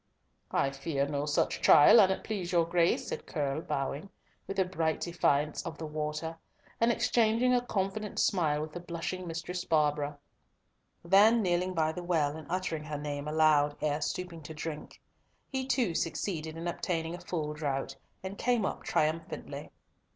"I fear no such trial, an't please your Grace," said Curll, bowing, with a bright defiance of the water, and exchanging a confident smile with the blushing Mistress Barbara—then kneeling by the well, and uttering her name aloud ere stooping to drink. He too succeeded in obtaining a full draught, and came up triumphantly.